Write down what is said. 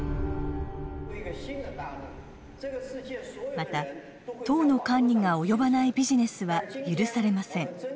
また党の管理が及ばないビジネスは許されません。